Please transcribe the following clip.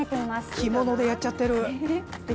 着物でやっちゃってる！